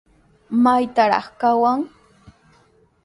¿Maytrawtaq kawan?